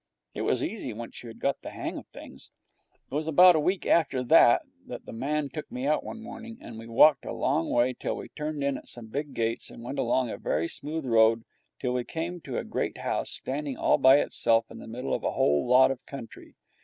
It was easy, once you had got the hang of things. It was about a week after that the man took me out one morning, and we walked a long way till we turned in at some big gates and went along a very smooth road till we came to a great house, standing all by itself in the middle of a whole lot of country.